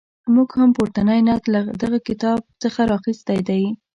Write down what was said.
موږ هم پورتنی نعت له دغه کتاب څخه اخیستی دی.